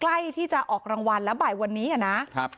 ใกล้ที่จะออกรางวัลแล้วบ่ายวันนี้นะครับ